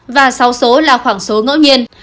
và sáu số là khoảng số ngẫu nhiên